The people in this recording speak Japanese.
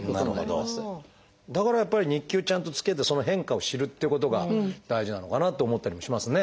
だからやっぱり日記をちゃんとつけてその変化を知るっていうことが大事なのかなと思ったりもしますね。